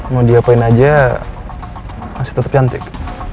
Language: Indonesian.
mau diapain aja masih tetap cantik